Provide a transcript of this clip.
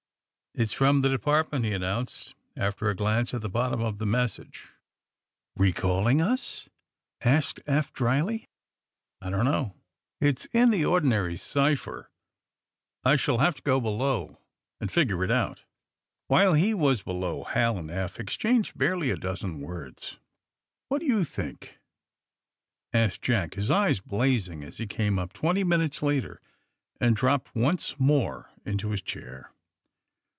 *^It's from the Department," he announced, after a glance at the bottom of the message. Recalling us?" asked Eph dryly. I don't know. It's in the ordinary cipher. I shall have to go below and figure it out." 34 THE SUBMARINE BOYS "While lie was below Hal and Eph. exchanged barely a dozen words. ^*Wb.at do you think?" asked Jack, his eyes blazing, as he came up, twenty minutes later, and dropped once more into his chair.